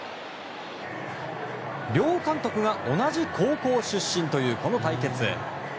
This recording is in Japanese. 両監督が同じ高校出身というこの対決。